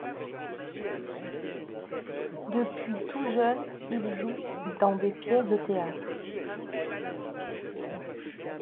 Depuis tout jeune, il joue dans des pièces de théâtre.